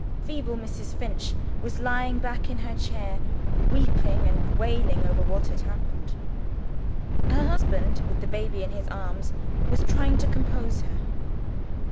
Feeble Mrs. Finch was lying back in her chair, weeping and wailing over what had happened. Her husband, with the baby in his arms, was trying to compose her.